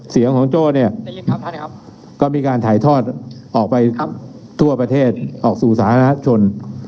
เสียงของโจ้เนี่ยก็มีการถ่ายทอดออกไปทั่วประเทศออกสู่สาธารณชน